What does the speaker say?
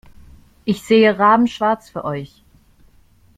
Ich sehe rabenschwarz für euch.